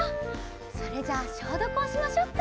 それじゃあしょうどくをしましょっか。